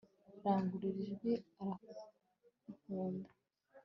Rangurura ijwi arankunda